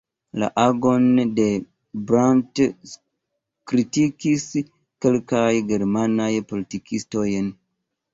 La agon de Brandt kritikis kelkaj germanaj politikistoj.